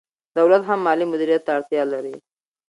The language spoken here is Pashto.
دولت هم مالي مدیریت ته اړتیا لري.